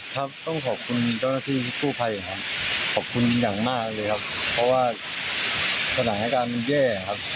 ครับต้องขอบคุณเจ้าหน้าที่กู้ภัยครับขอบคุณอย่างมากเลยครับเพราะว่าสถานการณ์มันแย่ครับ